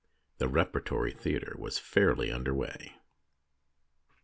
The repertory theatre was fairly under way.